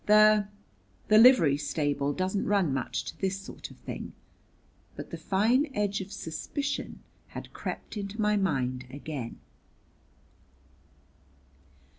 The the livery stable doesn't run much to this sort of thing." But the fine edge of suspicion had crept into my mind again.